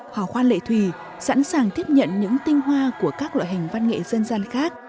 hò khoan lệ thủy sẵn sàng tiếp nhận những tinh hoa của các loại hình văn nghệ dân gian khác